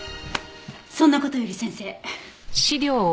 そんな事より先生。